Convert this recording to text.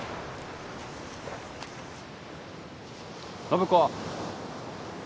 暢子。